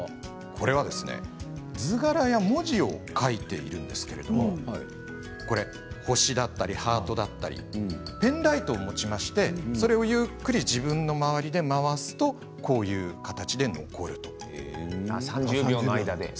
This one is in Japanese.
こちらは図柄や文字を書いているんですけれど星だったりハートだったりペンライトを持ちましてゆっくり自分の周りで回すとこのような形で残るということなんです。